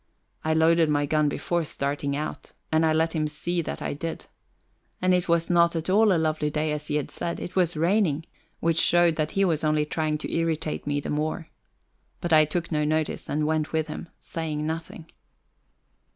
I loaded my gun before starting out, and I let him see that I did. And it was not at all a lovely day, as he had said; it was raining, which showed that he was only trying to irritate me the more. But I took no notice, and went with him, saying nothing.